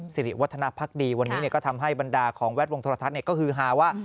สิริวัฒนภักดีวันนี้ก็ทำให้บรรดาของแวดวงโทรทัศน์ก็คือฮาว่า